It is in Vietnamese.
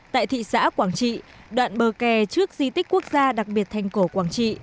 tại thị xã quảng trị đoạn bờ kè trước di tích quốc gia đặc biệt thành cổ quảng trị